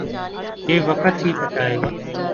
یہ وقت ہی بتائے گا۔